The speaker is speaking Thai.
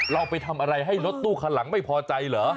เราไปทำอะไรให้รถตู้คันหลังไม่พอใจเหรอ